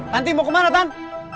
tanti mau kemana tan